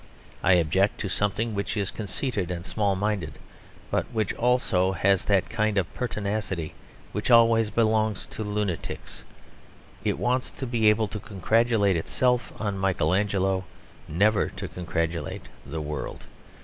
I object to something which is conceited and small minded; but which also has that kind of pertinacity which always belongs to lunatics. It wants to be able to congratulate itself on Michael Angelo; never to congratulate the world.